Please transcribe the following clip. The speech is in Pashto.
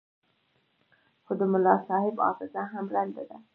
خو د ملاصاحب حافظه هم ړنده ده.